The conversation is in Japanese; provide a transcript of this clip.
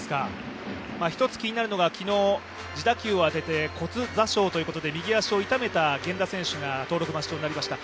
一つ気になるのが、昨日、自打球を当てて骨挫傷ということで右足を痛めた源田選手が登録抹消になりました。